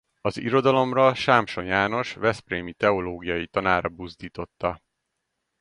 Az irodalomra Sámson János veszprémi teológiai tanára buzdította.